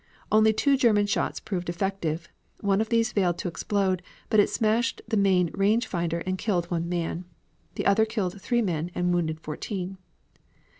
Only two German shots proved effective, one of these failed to explode, but smashed the main range finder and killed one man, the other killed three men and wounded fourteen.